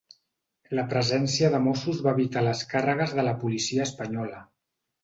La presència de Mossos va evitar les càrregues de la policia espanyola